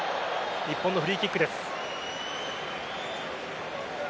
日本のフリーキックです。